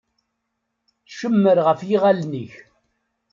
Cemmer ɣef yiɣalen-ik.